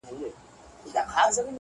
څنگه دي زړه څخه بهر وباسم؛